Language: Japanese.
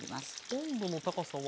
温度の高さは。